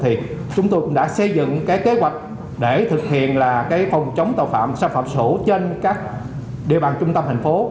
thì chúng tôi cũng đã xây dựng cái kế hoạch để thực hiện là cái phòng chống tội phạm xâm phạm sổ trên các địa bàn trung tâm thành phố